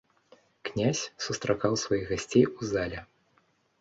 Князь сустракаў сваіх гасцей у зале.